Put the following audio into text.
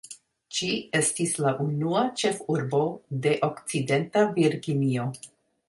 Ĝi estis la unua ĉefurbo de Okcidenta Virginio.